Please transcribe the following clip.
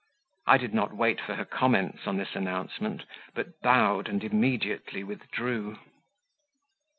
I did not wait for her comments on this announcement, but bowed and immediately withdrew.